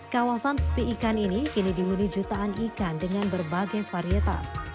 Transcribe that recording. kawasan sepi ikan ini kini dihuni jutaan ikan dengan berbagai varietas